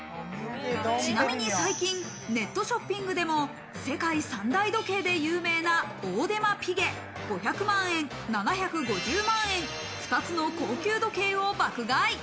ちなみに最近、ショッピングでも世界三大時計で有名なオーデマピゲ、５００万円、７５０万円、２つの高級時計を爆買い。